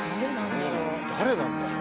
誰なんだろう？